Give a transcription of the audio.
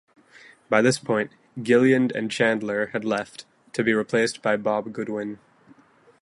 By this point, Gilliand and Chandler had left, to be replaced by Bob Goodwin.